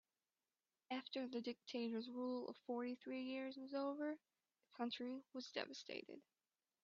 After the dictator's rule of fourty three years was over, the country was devastated.